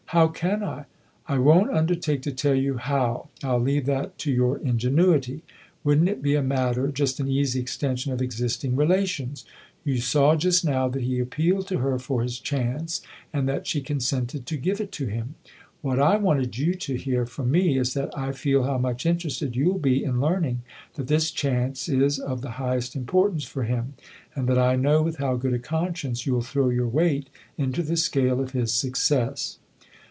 " How can I ?"" I won't undertake to tell you how I'll leave that to your ingenuity. Wouldn't it be a matter just an easy extension of existing relations ? You saw just now that he appealed to her for his chance 158 THE OTHER HOUSE and that she consented to give it to him. What I wanted you to hear from me is that I feel how much interested you'll be in learning that this chance is of the highest importance for him and that I know with how good a conscience you'll throw your weight into the scale of his success."